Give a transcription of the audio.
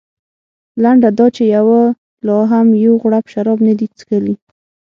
لنډه دا چې یوه لا هم یو غړپ شراب نه دي څښلي.